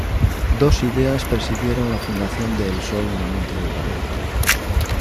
Dos ideas presidieron la fundación de "El Sol" en la mente de Urgoiti.